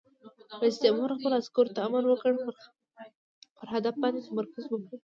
رئیس جمهور خپلو عسکرو ته امر وکړ؛ پر هدف باندې تمرکز وکړئ!